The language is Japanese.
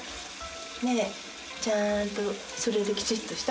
ねえちゃんとそろえてきちっとした？